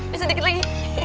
bisa sedikit lagi